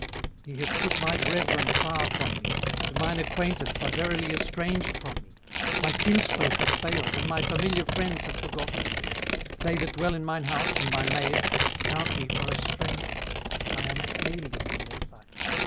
18:019:013 He hath put my brethren far from me, and mine acquaintance are verily estranged from me. 18:019:014 My kinsfolk have failed, and my familiar friends have forgotten me. 18:019:015 They that dwell in mine house, and my maids, count me for a stranger: I am an alien in their sight.